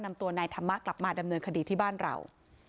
นำตัวนายธรรมะกลับมาดำเนินคดีที่บ้านเรา